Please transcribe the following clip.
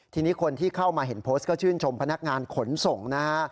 ทีนี้คนที่เข้ามาเห็นโพสต์ก็ชื่นชมพนักงานขนส่งนะฮะ